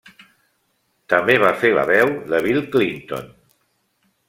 També va fer la veu de Bill Clinton.